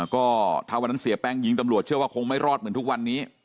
ก็ถ้าวันนั้นเสียแป้งยิงตำรวจเชื่อว่าคงไม่รอดเหมือนทุกวันนี้